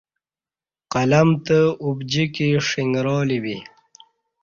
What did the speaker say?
قلم تو اوبجیکی ݜݣرالی بی